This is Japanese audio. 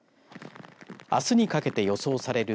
あすにかけて予想される